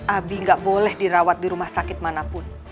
abi nggak boleh dirawat di rumah sakit manapun